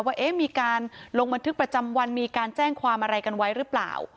ว่ามีการลงบันทึกประจำวันมีการแจ้งความอะไรกันไว้หรือเปล่า